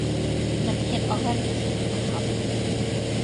เหมือนเห็ดออรัลจิน่ะครับ